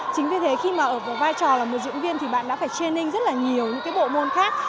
chính vì thế khi mà ở một vai trò là một diễn viên thì bạn đã phải training rất là nhiều những cái bộ môn khác